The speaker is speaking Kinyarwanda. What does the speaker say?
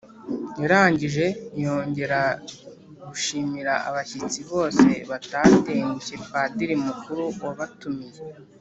yarangije yongera gushimira abashyitsi bose batatengushye padiri mukuru wabatumiye,